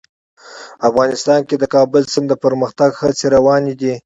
افغانستان کې د کابل سیند د پرمختګ هڅې روانې دي.